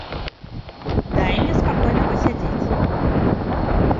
Дай мне спакойна пасядзець.